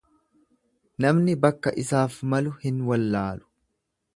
Namni bakka isaaf malu hin wallaalu.